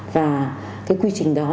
và cái quy trình đó